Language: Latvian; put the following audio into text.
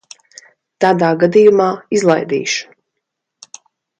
Tādā gadījumā izlaidīšu.